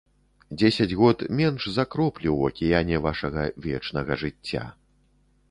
Дзесяць год менш за кроплю ў акіяне вашага вечнага жыцця.